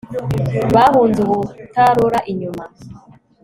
bahunze ubutarora inyuma